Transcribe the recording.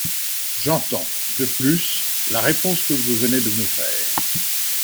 J’entends, de plus, la réponse que vous venez de me faire.